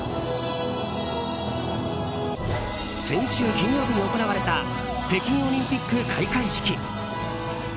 先週金曜日に行われた北京オリンピック開会式。